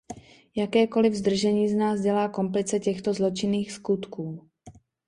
Jakékoliv zdržení z nás dělá komplice těchto zločinných skutků.